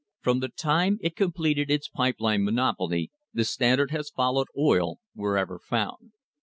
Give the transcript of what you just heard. From the time it completed its pipe line monopoly the Standard has followed oil wherever found.